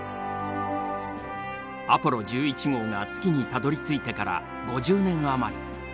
アポロ１１号が月にたどりついてから５０年余り。